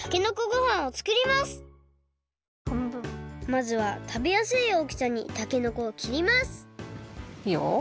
まずはたべやすい大きさにたけのこをきりますいいよ。